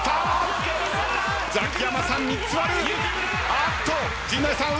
あっと陣内さん上！